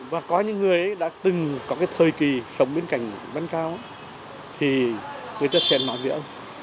và có những người ấy đã từng có thời kỳ sống bên cạnh văn cao thì người ta sẽ nói gì ạ